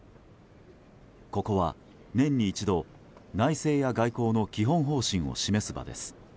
ここは年に一度、内政や外交の基本方針を示す場です。